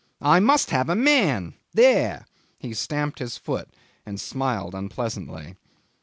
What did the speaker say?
"I must have a man. There! ..." He stamped his foot and smiled unpleasantly.